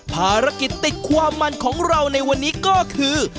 ภารกิจติดความมันของเราในวันนี้ก็คือ